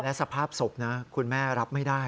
และสภาพศพนะคุณแม่รับไม่ได้